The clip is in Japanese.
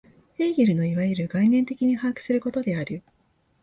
ヘーゲルのいわゆる概念的に把握することである。